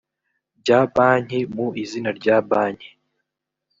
bya banki mu izina rya banki